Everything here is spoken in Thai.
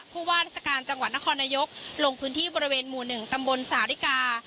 ผู้ว่าราชการจังหวัดนครนายกลงพื้นที่บริเวณหมู่๑ตำบลสาธิกา